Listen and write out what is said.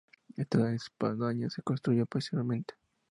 Esta espadaña se construyó posteriormente.